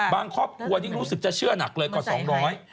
บางครอบครัวดิรู้สึกจะเชื่อนักเลยเกิง๒๐๐บาท